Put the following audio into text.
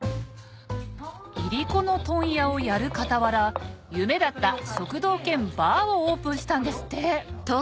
いりこの問屋をやる傍ら夢だった食堂兼バーをオープンしたんですって！